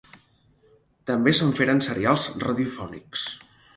També se'n feren serials radiofònics.